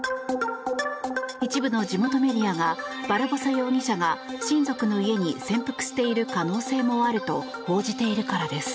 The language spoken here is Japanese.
一部の地元メディアがバルボサ容疑者が親族の家に潜伏している可能性もあると報じているからです。